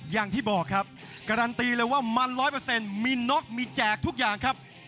อย่างที่บอกครับการันตีเลยว่ามัน๑๐๐มีนกมีแจกทุกอย่างครับ